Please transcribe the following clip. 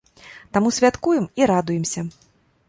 Таму святкуем і радуемся.